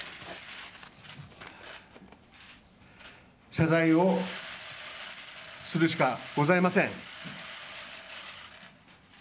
謝罪をするしかございません。